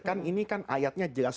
kan ini kan ayatnya jelas